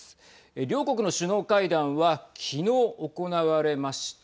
両国の首脳会談は昨日、行われました。